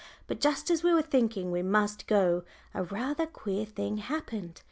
But just as we were thinking we must go, a rather queer thing happened.